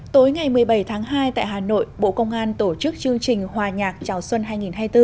tối ngày một mươi bảy tháng hai tại hà nội bộ công an tổ chức chương trình hòa nhạc chào xuân hai nghìn hai mươi bốn